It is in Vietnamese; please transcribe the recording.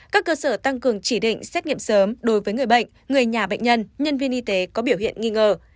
các cơ sở tăng cường chỉ định xét nghiệm sớm đối với người bệnh người nhà bệnh nhân nhân viên y tế có biểu hiện nghi ngờ